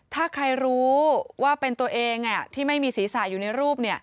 ถ้าใครรู้ว่าเป็นตัวเองที่ไม่มีศีรษะอยู่ในรูป